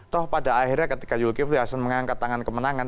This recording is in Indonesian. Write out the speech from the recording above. toh pada akhirnya ketika yul kivilasan mengangkat tangan kemenangan